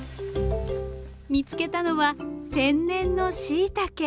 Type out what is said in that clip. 見つけたのは天然のシイタケ。